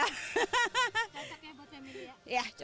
cocok ya buat pemilih ya